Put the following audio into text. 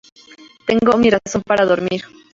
Tengo mi razón para dormir.